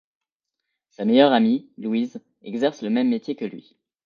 Sa meilleure amie Louise exerce le même métier que lui.